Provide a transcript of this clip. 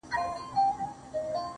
اوس په پوهېږمه زه، اوس انسان شناس يمه.